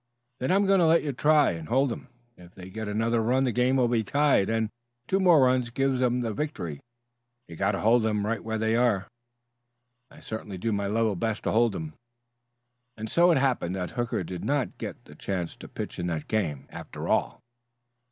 "Then I'm going to let you try to hold them. If they get another run the game will be tied, and two more runs gives them the victory. You've got to hold them right where they are." "I certain will do my level best to hold them." And so it happened that Hooker did not get the chance to pitch in that game, after all.